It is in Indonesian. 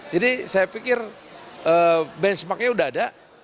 jadi saya pikir benchmarknya udah ada